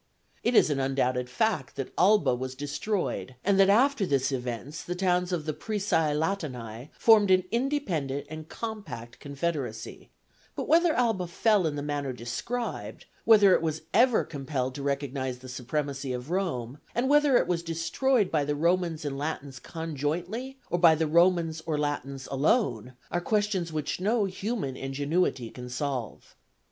It is an undoubted fact that Alba was destroyed, and that after this event the towns of the Prisci Latini formed an independent and compact confederacy; but whether Alba fell in the manner described, whether it was ever compelled to recognize the supremacy of Rome, and whether it was destroyed by the Romans and Latins conjointly, or by the Romans or Latins alone, are questions which no human ingenuity can solve.